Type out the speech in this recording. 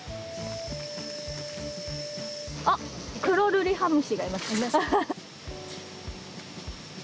あっクロルリハムシがいますね。